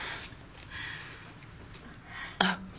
あっ。